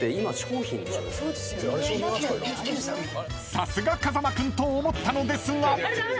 ［さすが風間君と思ったのですが］